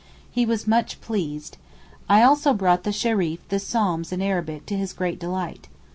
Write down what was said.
He was much pleased. I also brought the Shereef the psalms in Arabic to his great delight.